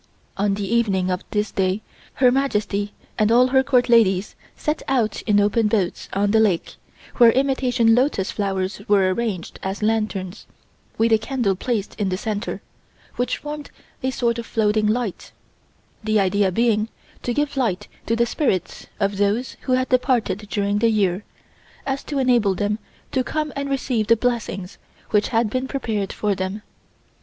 On the evening of this day, Her Majesty and all her Court ladies set out in open boats on the lake, where imitation lotus flowers were arranged as lanterns, with a candle placed in the centre, which formed a sort of floating light, the idea being to give light to the spirits of those who had departed during the year, so as to enable them to come and receive the blessings which had been prepared for them.